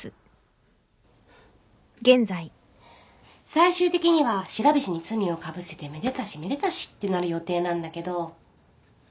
最終的には白菱に罪をかぶせてめでたしめでたしってなる予定なんだけど。